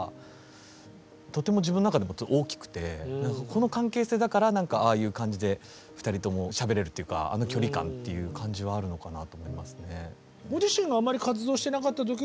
この関係性だからああいう感じで２人ともしゃべれるっていうかあの距離感っていう感じはあるのかなと思いますね。